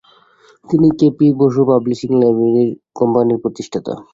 তিনি K. P. Basu publishing কোম্পানির প্রতিষ্ঠাতা।